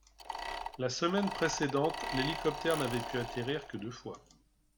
La semaine précédente, l'hélicoptère n'avait pu atterrir que deux fois.